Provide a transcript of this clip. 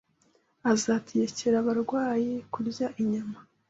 Azategekera abarwayi kurya inyama